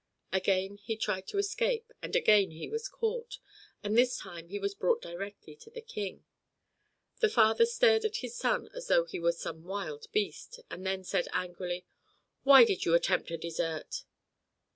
Again he tried to escape, and again he was caught, and this time he was brought directly to the King. The father stared at his son as though he were some wild beast, and then said angrily: "Why did you attempt to desert?"